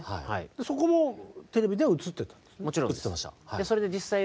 そこもテレビでは映ってたんですね？